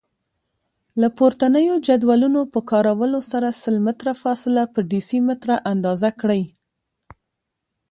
له پورتنیو جدولونو په کارولو سره سل متره فاصله په ډیسي متره اندازه کړئ.